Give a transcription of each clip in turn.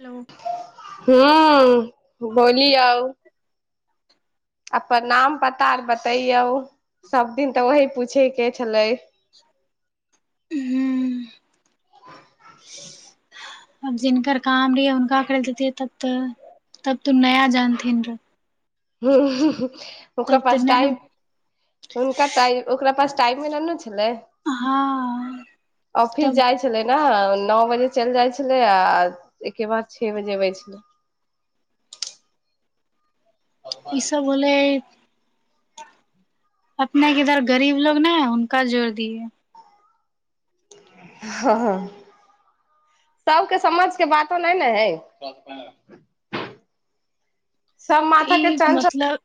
Hello हूं हँ बोली आउ अपन नाम पता आर बतैयो सब दिन तऽ वही पूछेके छलै हुँ अब जिनकर काम रहै हुनका खद देतिै तब तऽ तब तो नया जानथिन रह हुँ हुँ ह ओकरा पास नहि ने टाइ हनक ओकरा पास टाइमे मिलल न छै हँ अफिस तब जाइै छलय न नओ बजे चलि जाइ छलै आ एहिके बाद छओ बजेबै छल ईस बोलै अपने इधर गरीब लोकोग ने उनका जोर दियए ह सबके समझ के बातो नहि ने है सब तऽ माथा ई के चं मतलब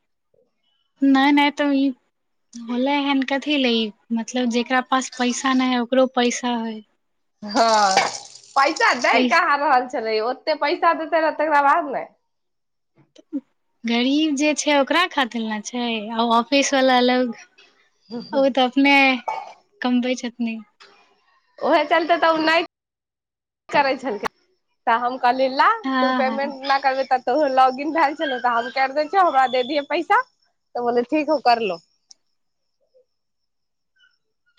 नहि नहि तऽ ई होलै हन कथी ले ई मतलब जेकरा पास पैसा नहि है ओकरो पैसा हइ हँ पैसा दै पैस कहाँ रहल छै ओते पैसा देते रह तकरा बाद ने गरीब जे छै ओकरा खातिर ने छै आ ऑफिसवला लग ओ तऽ अपने कमबै छथि नहि ओहे चलते तऽ नहि करै छलखिन तऽ हम कहलिय ला तू हँ हँ पेमेंट न करबै लॉगिन भेल त हम हम दिय पैसा तऽ ठीक हो करलो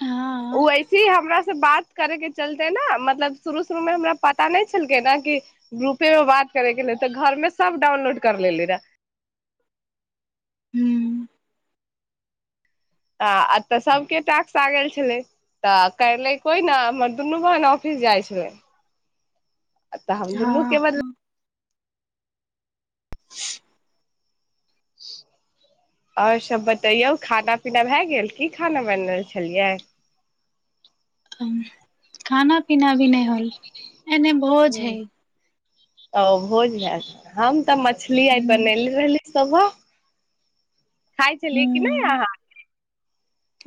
हँ ओ वैसे ही हमरासँ बात करयके चलते ने मतलब शुरू शुरूमे हमरा पता नहि छलकै ने कि ग्रुपेमे बात करयके लेल तऽ घरमे सभ डाउनलोड कर लेली रहै हहुँ आ ए तऽ सभके टैक्स आ गेल छलै तऽ करलै कोई ने हमर दुनू बहन ऑफिस जाइ छलै अ त हम मुख्य बद हँ आओर सब बतैयौ खाना पीना भए गेल की खाना बनल छलियै खाना पीना भी नहि होल आय एने भोज ह हैय ओ भोज हैय हम त मछली आइ बनेली रहली सबवा खाइ छलियै कि नहि अहाँ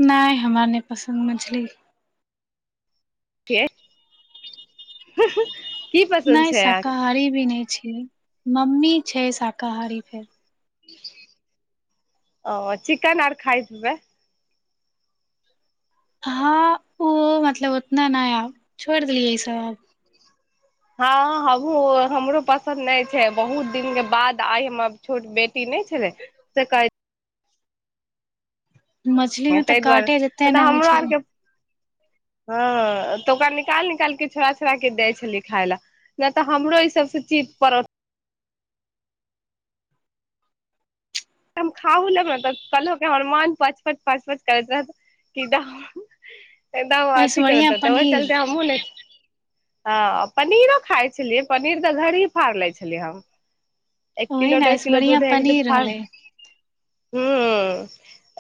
नहि हमरा नहि पसन्द मछली के नहि शाकाहारी भी नहि छी मम्मी छै शाकाहारी फेर ओ चिकेन आर खायत होबेय हँ ओ मतलब उतना नहि आब छोड़ि देलियै ईसभ आब हँ हमूँ हमरो पसन्द नहि छै बहुत दिनके बाद आइ हमर छोट बेटी नहि छलै से कहै मछली मे तऽ ताहि दुआरे काटे जेते नहि तऽ ने होइ हमरो छै आरके हँ तऽ ओकरा निकाल निकाल क छोड़ छोराे दै छलै खााय लए नहि तऽ हमरो ई सभसँ ची पड़ हम खााह लक तऽ कहल हमर मन पचप पचपच करैत रह एकदम अथी करत ऐश्वर्या तऽबह पनीर चलतै हमू ने ह पनीरो खाइ छलियै पनीर तऽ घर ही फाड़ लै छलियै हम एक ओही किलो ने डढ़ किलो ऐश्वर्या दूध ह पनीर फास होलै हुँ हुँ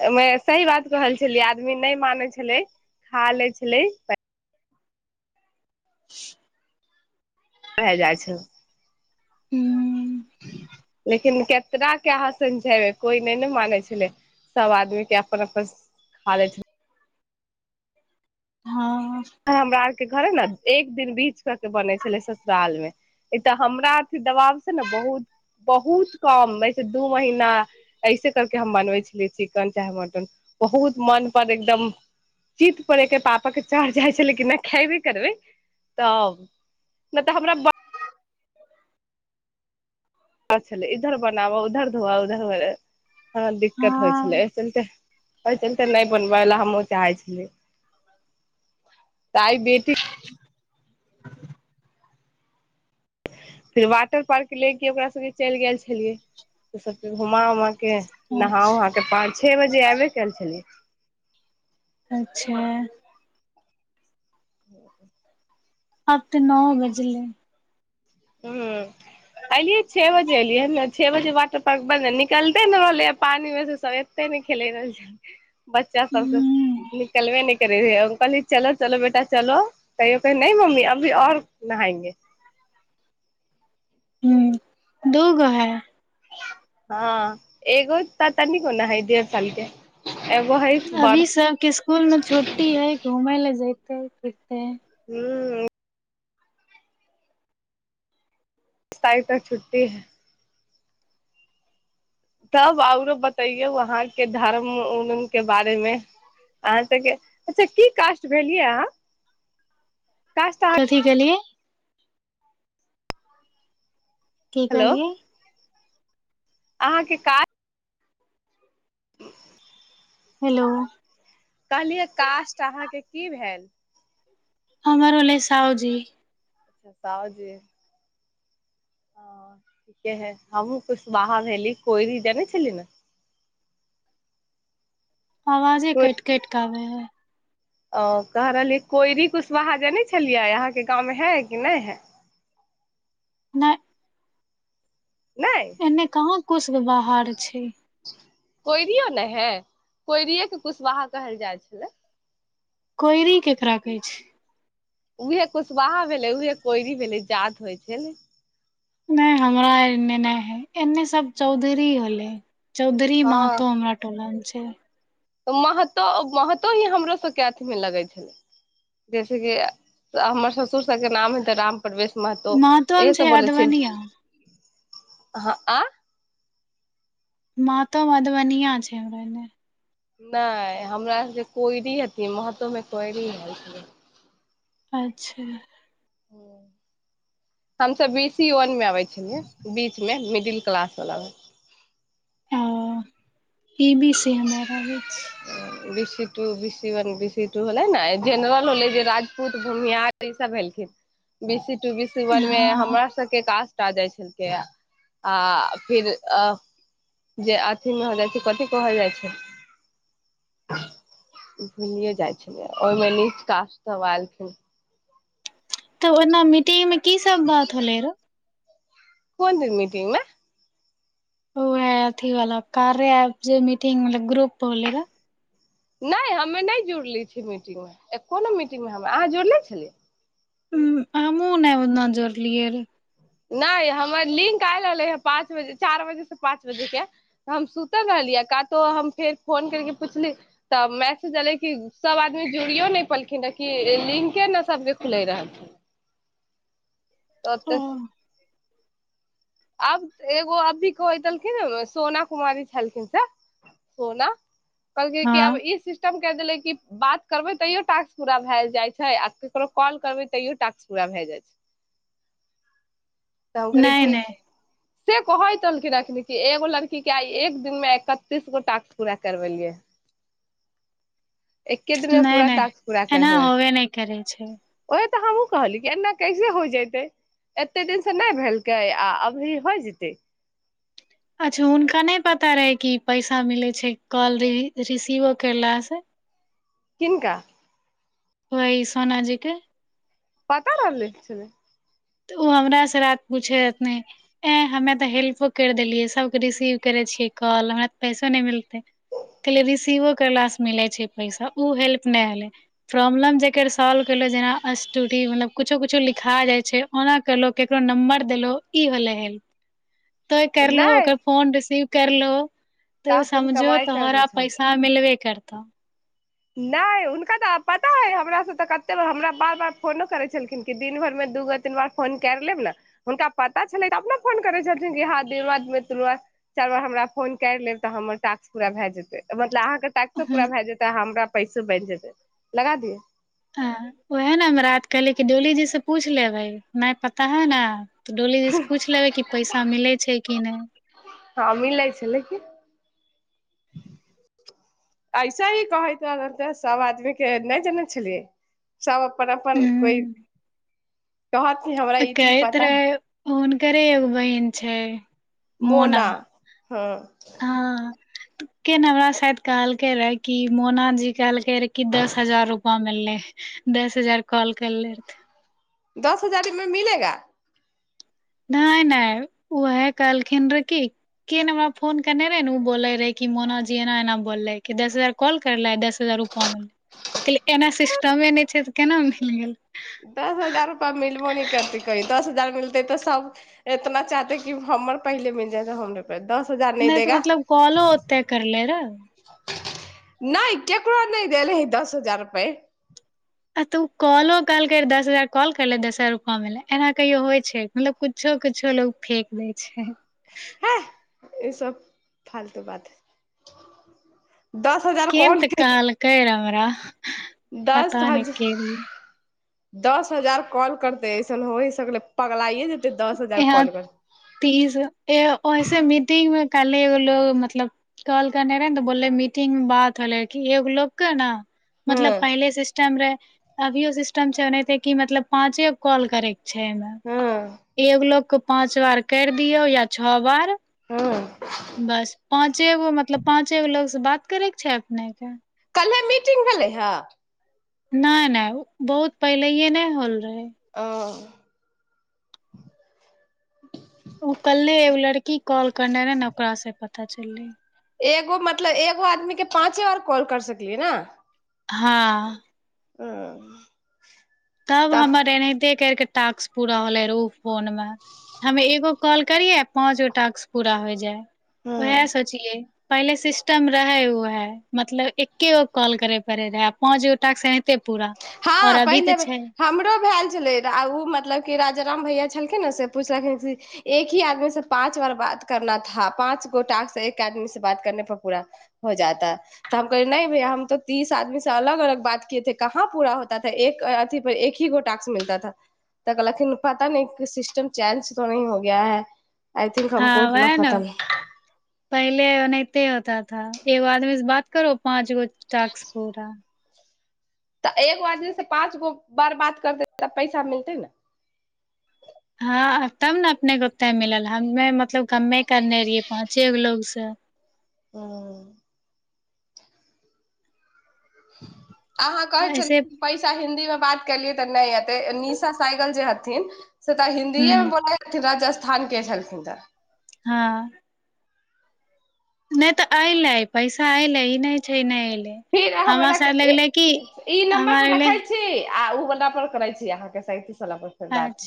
हमे सही बात कहल छलै आदमी नहि मानै छलै खा लै छलै [unintelligible] भ जाइ छैले हुँ लेकिन केितना के अहाँ समझेब कोइ नहि ने मानै छलै सब आदमी के अपन अपन खा लै छल हँ ह हमरा के घर है ने एक दिन बीच कर के बने छले ससुराल मे ई तऽ हमरा अथी दबाव से ने बहुत बहुत कम से दू महीना ऐसे करके हम बनवे छलियै चिकन चाहे मटन बहुत मन पर एकदम चित पर एक पापा के चढ़ जाइ छलै कि नहि खेबे करबै तऽ नहि तऽ हमरा ब छलै इधर बनाबऽ उधर धोवऽ उधर दिक्कत होइ छलै हँ एहि चलते एहि चलते नहि बनबै लए हमहुँ चाहै छलिय तइ बेटी फिर वाटर पार्क लेके ओकरा सबके चलि गेल छलियै त सबके घुमा उमा के नहाओ अच्छा उहाँके पाँच छओ बजे आबे कल छलियै अच्छा ह आब त नओ बजले हुँ एलियै छे बजे एलियै ह ने छे बजे वाटर पार्क बन्द निकलते ने रहलै पानिमे सब एते नहि खेले रहल बच्चा हम सब से निकलबे ने करे ह अंकल ह चलो चलो बेटा चलो कहियो की नहि मम्मी अभी आऔर नहाएंगे हुँ दूगो है हँ एगो ताता नहि कोन है देढ़ सालके अभी सबके स्सकुल में छुट्टी है घूमय ले ज तऽ कते हू आय तक तक छुटी है तब आओरो बतैयौ अहााँके धर्म उ के बारेमे अहाँ सबके अच्छा की क्ट भेलियै अहाँ कास्ट अहाँ कथी गेल्हिन की हेलो कहलिन अहाँके कास्ट हुँ हेलो कहलियै कास्ट अहाँके की भेल हमर रहलय सावजी साहउ जी ओ ठीके है हमहूँ कुशवाहा भेली कोइरी जान छली ने आवाजे कट कोइ कटिक आवे है ओ कह रहलियै कोइरी कुशवाहा जेने छलियै अहाँके गाँवमे है कि नहि है नहि नहि एन्ने कहाँ कुशवाहा आओर छै कोइरिय ने है कोइरिियेके कुशवाहा कहल जाइ छलै कोइरि केकरा कहै छै उहे कुशवाहा भेलै उएहे कोइरी भेलै जात होइ छै ने नहि हमरा एने नहि है एने सब चौधरी होलै चौधरी महतो हमरा टोला मे छै छै त महतो महतो ही हमरो सबके अथीमे लगै छलै जैसेक हमर ससुर सबके नाम हे ते राम परवेश महतो छै अधवनिया हँ आ महतो मधुबनिया छै हमरा एने नहि हमरा जे कोइरी हथिन महतो मे कोइरी हथिन अच्छा हमस बी सी वन मे आबै छलियै बीच मे मिडिल क्लास वला ओ ई बी सी हमे आर आबै छिय B two B C one B C two होलै ने जेनरल होलै जे राजपूत भुमियहार ई सब भेलखिन B C two B C one मे हँ हमरा सबके कासट कटा जाइ छलै आ फिर जे अथी मे हो जाइ छै कथ कहल जाइ छै भुलियए जाइ छलै ओहिमे नीच काास सब एयलखिन तऽ ओना मि मिट्टी मे की सब बात होले रय कोन दिन मीटिंगमे ओ ह अथीवला कार्या रह मीटिंग मतलब ग्रुप बोल रह नहि हमे नहि जुड़ले छियै मीटिंगमे एको नहि मीटिंगमे हम अहाँ जुड़ले छलियै हुँ आ मू नहि उहि दिना जुड़लिइ नहि हमर लिंक आय रहलै हे पाँच बजे चार बजेसँ पाँच बजेके तऽ हम सुतल रहलियै कातो हम फेर फोन करिक पुछली तऽ मैसेज एलै कि सभ आदमी जुड़ियो नहि पलखिन रह कि लिंके ने सभके खुलै रह तऽत ओ आब एगो अब भी कहैतेलखिन सोना कुमारी छलखिन से सोना कहलक कि आब हँ ई सिस्टम कहे छैलय द कि बात करबै तैयो टास्क पूरा भए जाइ छै आ ककरो कॉल करबै तैयो टास्क पूरा भए जाइ छै तब हम कहली नहि ठीक नहि छै से कहैतलखिनखन एगो लड़की के आइ एक दिन मे एकतीस गो टास्क पूरा करबेलियै एके दिन मे नहि पूरा नहि टास्क पूरा एना करबै होबे नहि करै छै ओहे तऽ हमहूँ कहलिय कि एना कैसे हो जतै एते टेंशन नहि भेलकै आ अभी हो जतै अच्छा हुनका नहि पता रहै कि पैसा मिलै छै कॉल रिसीवो करलासँ कििनका ओहि सोना जी के पता रहलय की छलय तऽ ओ हमरासँ रात पूछैत रहथिन एँ हमे तऽ हेल्पो करि देलियै सभके रिसीव करैत छियै कॉल हमरा तऽ पैसो नहि मिलतै कहलियै रिसीवो करलासँ मिलैत छै पैसा ओ हेल्प नहि भेललै प्रॉब्लम जकर सॉल्व कलहुँ जेना अटूटी मतलब किुछो किुछो लिखा जाइत छै ओना कलो केकरो नम्बर देलो ई होले हेल्प तो करलहो नहि ओकर फोन रिसीव कैरलो त तऽ अपन समझो कमाइ करले तोहरा छलै पैसा मिलबे कैरतोहँ नहि हुनका तऽ पता हइ हमरासँ तऽ कतेक हमरा बार बार फोनो करैत छलखिन कि दिन भरिमे दू बेार तीन बार फोन कर लेब ने हुनका पता छलै तऽ अपने फोन करैत छलखिन कि हँ द बार तीन बार चारि बार हम फोन करि लेब तऽ हमर टास्क पूरा भए जेतै मतलब अहाँ ताक्सो पूरा भए जेतै हम परा पैसे बैठ जेतै लगा दिये हँ उएह ने हम रात कहली कि डोलीजी से पूछ लेबै नहि पता है न तऽ डोलीजीसँ पूछि लेबै कि पैसा मिलै छै कि नहि हँ मिलै छलय की ऐसा ही कहैत रहले सब आदमी के नहि जानै छलियै सब अपन अपन कोइ कहत कि हमरा ई चीज कहैथ पता है। रहैत हुनकरे बहिन छै मोना हँ के ने हमरा साायद कहलकै रहए कि मोना जी कहलकै रहे कि दस हजार रुपा मिललै दस हजार कॉल करले रह दस हजारमे मिलेगा नहि नहि उह कहलखिन रहे कि के नहि हमरा फोन केने रहे ने ओ बोले रहे कि मोनाजी एना एना बोलले कि दस हजार कॉल करलेस दस हजार रुपा ऐना सिस्टम ए नहि छै केना मिल गेल दस हजार रुपा मिलबो नहि करतै कही दस हजार मिलतै तऽ सब एतना चाहते कि हमर पहिले मिल जायत हमरे पे दस हजार नहि तऽ देगा मतलब कॉलो ओते करले रह नहि क क नहि देले हय दस हजार रुपै आ तऽ ओ कॉलो कहलकै दस हजार कॉल करले दस हजार रुपआ मे ले एना कहियो होइ छै मतलब कुछो कुछो लोग फेेक दै छै हँ ईसब फालतू बात दस हजार केहेन कॉल तऽ के कहलकै रहे रा दस हजार दस हजार कॉल करते ऐसन हो ह सगले पगलाइए दस हजार यहाँ कॉल कर तीज ऐसे मीटिंग मे कलिह एगो लोग मतलब कॉल करने रहे ने तऽ बोलले मीटिंगग मे बात होले एगो लोगके ने मतलब हँ पहिले सिस्टम रहै अभियो सिस्टम छै ओनाहिते कि मतलब पाँचे कॉल करैके छै एहि मऽ हँ एगो लोग को पाँच बार करि दियऔ या छ बार हँ बस पाँचे गो मतलब पाँचेगो लोग से बात बात करैके छै अपने कऽ कल्हे मीटिंग भेलै हे नइ नइ बहुत पहिलयै नइ होल रहे ओ उ कल्हे एगो लड़की कॉल करने ने ओकरा सँ पत पता चललैय एगो मतलब एगो आदमी के पाँचे बार कॉल कर सकलियै न हँ ओ तब हमर एनाहिते कर के टास्क पूरा होले रहै उ फोन मे हमे एगो कॉल करियै पाँच गो टास्क पूरा हो जाय वहै हँ सोचियै पहिले सिस्टम रहे वहे मतलब एके गो कॉल करे पड़े रहै आ पाँच गो टाक्स एनाहिते पूरा आउर अभी तऽ छै हमरो भेल छले उऽ मतलब की राजा राम भैया छलखिन नऽ से पूछलखिन से की एक ही आदमी से पाँच बार बात करना था पाँच गो टाक्स एक आदमी से बात करने पर पूरा हो जाता तऽ हम कहली नइ भैया हम तो तीस आदमी से अलग अलग बात किए थे। कहाँ पूरा होता था एक अथी पर एक ही गो टाक्स मिलता था तऽ कलखिन पता नइ की सिस्टम चेंज तो नहि हो गया है आई थिंक हँ हमको उतना वैह न पता नहि पहिले ओनाहिते होता था एगो आदमी से बात करो पाँच गो टास्क पूरा तऽ एक आदमी सँ पाँच गो बार बात करते तऽ पैसा मिलते न हँ तब ने अपने के ओते मिलल हमे मतलब कमे करने रहिये पाँचे गो लोग सँ सँ ओ [unintelligible] अहाँ कहै तऽ ऐसे छलीह की पैसा हिन्दी मे बात केलियै तऽ नहि य निशा साइकल जे हथिन से तऽ हूँ हिन्दीए मे बोलैथिन राजा स्थान के छलथिन्ह तऽ हँ नहि तऽ ऐले पैसा ऐले ई नहि छै नहि ऐले फिर हम रक ई नम्बर हमरा पर लगलै रखै छी आ ऊ बला पर करै छी अहाँके सैतिस अचछ